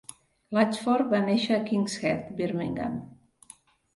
Latchford va néixer a Kings Heath, Birmingham.